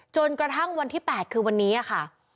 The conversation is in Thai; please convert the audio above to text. จนกระทั่งวันที่๘คือวันนี้ค่ะ